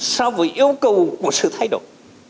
so với yêu cầu của sự thay đổi